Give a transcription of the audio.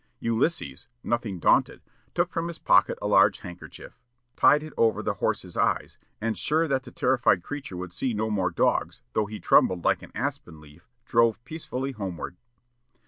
Ulysses, nothing daunted, took from his pocket a large handkerchief, tied it over the horse's eyes, and sure that the terrified creature would see no more dogs, though he trembled like an aspen leaf, drove peacefully homeward.